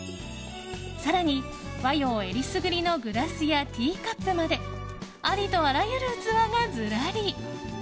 更に、和洋えりすぐりのグラスやティーカップまでありとあらゆる器がずらり。